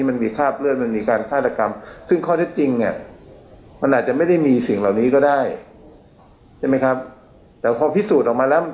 หรือใครไปเจาะเลือดให้เอามาเทสักขนาดนั้น